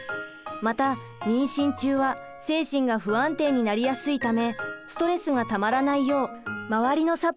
また妊娠中は精神が不安定になりやすいためストレスがたまらないよう周りのサポートが大切ですよ。